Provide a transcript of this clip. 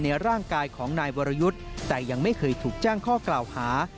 ในร่างกายของนายวรยุทธ์แต่ยังไม่เคยถูกแจ้งข้อกล่าวหา